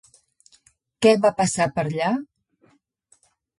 Què va passar per allà?